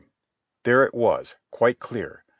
There it was, quite clear.